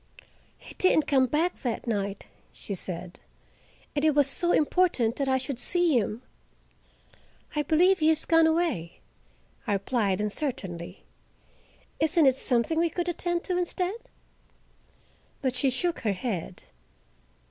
"He didn't come back that night," she said, "and it was so important that I should see him." "I believe he has gone away," I replied uncertainly. "Isn't it something that we could attend to instead?" But she shook her head.